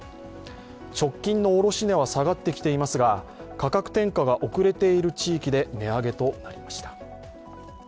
直近の卸値は下がってきていますが価格転嫁が遅れている地域で値上げとなりました。